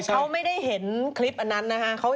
เขาไม่ได้เห็นคลิปอันนั้นนะฮะ